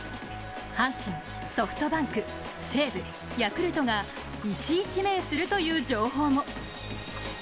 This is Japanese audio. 阪神、ソフトバンク、西武、ヤクルトが１位指名するという情報も。